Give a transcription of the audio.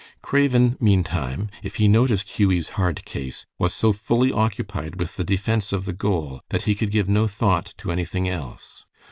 Craven, meantime, if he noticed Hughie's hard case, was so fully occupied with the defense of the goal that he could give no thought to anything else.